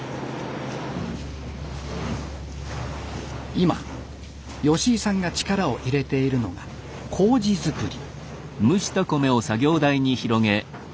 今吉井さんが力を入れているのが麹づくり。